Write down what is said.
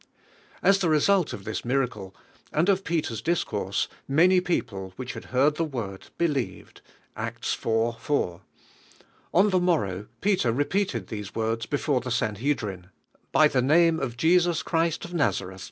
As the result of this miracle and Of Pe ter's discourse many people "whl«h had heard the Word believed (Acts It. i). On rhe morrow Peter repeated these words before theSanhedrim,"Ry the name of Je. sub Christ of Nazareth